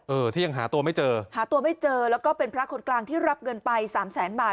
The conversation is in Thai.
เออที่ยังหาตัวไม่เจอหาตัวไม่เจอแล้วก็เป็นพระคนกลางที่รับเงินไปสามแสนบาท